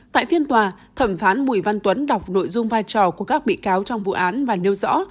tại phiên tòa thẩm phán bùi văn tuấn đọc nội dung vai trò của các bị cáo trong vụ án và nêu rõ